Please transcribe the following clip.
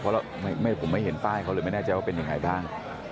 เพราะผมไม่เห็นป้ายเขาเลยไม่แน่ใจว่าเป็นยังไงบ้าง